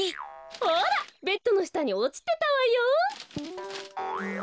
ほらベッドのしたにおちてたわよ。